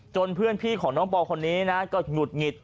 เพื่อนพี่ของน้องปอคนนี้นะก็หงุดหงิด